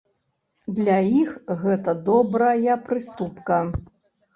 Для іх гэта добрая прыступка.